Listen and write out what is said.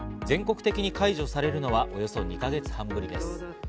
全国的に解除されるのはおよそ２か月半ぶりです。